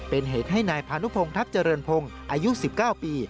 เป็นเหตุให้นายพานุพงทัพเจริญพงศ์อายุ๑๙ปี